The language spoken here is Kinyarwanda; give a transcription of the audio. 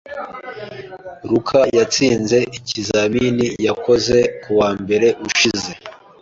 Luka yatsinze ikizamini yakoze kuwa mbere ushize.